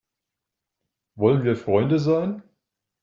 Wollen wir Freunde sein?